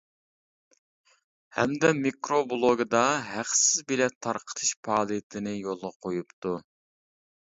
ھەمدە مىكرو بىلوگىدا ھەقسىز بېلەت تارقىتىش پائالىيىتىنى يولغا قويۇپتۇ.